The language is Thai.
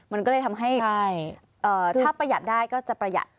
มันก็เลยทำให้ถ้าประหยัดได้ก็จะประหยัด